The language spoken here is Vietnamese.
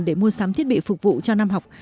để mua sắm thiết bị phục vụ cho năm học